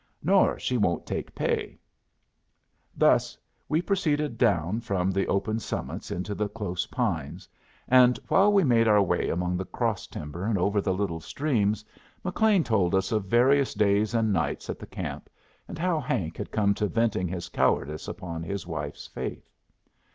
Nor she won't take pay." Thus we proceeded down from the open summits into the close pines; and while we made our way among the cross timber and over the little streams, McLean told us of various days and nights at the camp, and how Hank had come to venting his cowardice upon his wife's faith.